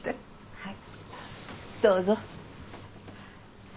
はい。